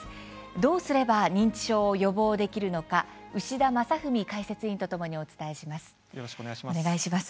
どうすれば認知症を予防できるのか牛田正史解説委員とともにお伝えします。